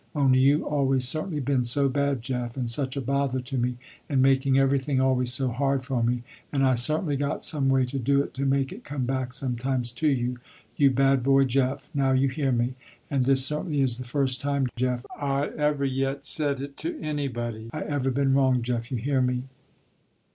Only you always certainly been so bad Jeff, and such a bother to me, and making everything always so hard for me, and I certainly got some way to do it to make it come back sometimes to you. You bad boy Jeff, now you hear me, and this certainly is the first time Jeff I ever yet said it to anybody, I ever been wrong, Jeff, you hear me!"